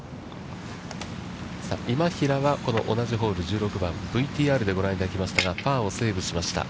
今平は、この同じホール、１６番、ＶＴＲでご覧いただきましたが、パーをセーブしました。